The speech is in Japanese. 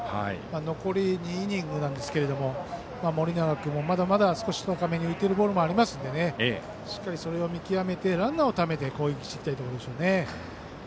残り２イニングなんですけど盛永君もまだまだ高めに浮いてくるボールもありますのでしっかりそれを見極めてランナーをためて攻撃していきたいところでしょう。